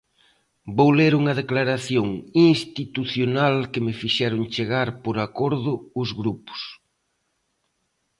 Vou ler unha declaración institucional que me fixeron chegar por acordo os grupos.